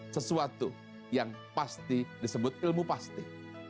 sesuatu yang pasti disebut ilmu pasti